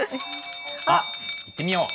あっ行ってみよう。